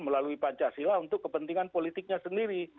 melalui pancasila untuk kepentingan politiknya sendiri